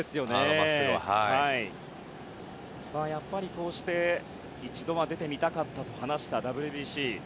こうして一度は出てみたかったと話したＷＢＣ。